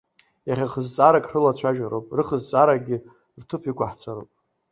Иахьа х-зҵаарак ҳрылацәажәароуп, рыхзҵааракгьы рҭыԥ иқәҳҵароуп.